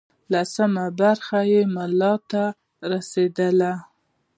لسمه برخه یې ملا ته رسېدله.